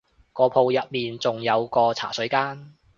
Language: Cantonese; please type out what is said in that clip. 個鋪入面仲有個茶水間